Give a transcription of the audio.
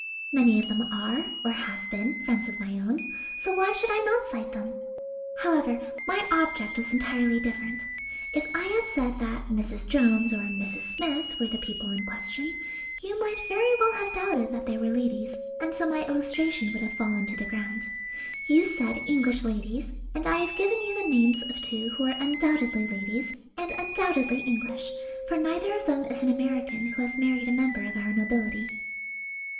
"Many of them are, or have been, friends of my own; so why should I not cite them? However, my object was entirely different. If I had said that Mrs. Jones or Mrs. Smith were the people in question, you might very well have doubted that they were ladies, and so my illustration would have fallen to the ground. You said English ladies, and I have given you the names of two who are undoubtedly ladies, and undoubtedly English, for neither of them is an American who has married a member of our nobility."